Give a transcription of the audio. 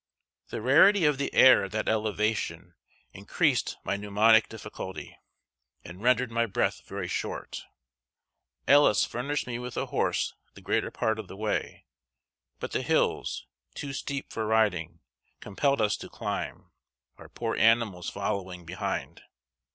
The rarity of the air at that elevation increased my pneumonic difficulty, and rendered my breath very short. Ellis furnished me with a horse the greater part of the way; but the hills, too steep for riding, compelled us to climb, our poor animals following behind.